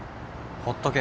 ほっとけ。